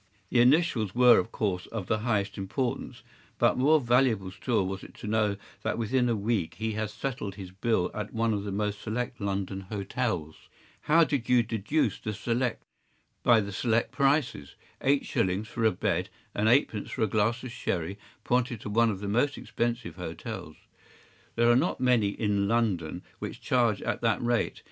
The initials were of course of the highest importance, but more valuable still was it to know that within a week he had settled his bill at one of the most select London hotels.” “How did you deduce the select?” “By the select prices. Eight shillings for a bed and eight pence for a glass of sherry pointed to one of the most expensive hotels. There are not many in London which charge at that rate.